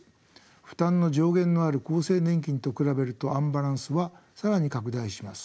負担の上限のある厚生年金と比べるとアンバランスは更に拡大します。